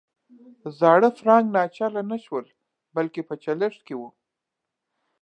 زاړه فرانک ناچله نه شول بلکې په چلښت کې وو.